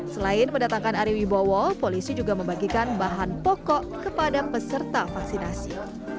selain mendatangkan ari wibowo polisi juga membagikan bahan pokok kepada peserta vaksinasi